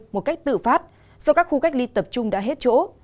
một cách tự phát do các khu cách ly tập trung đã hết chỗ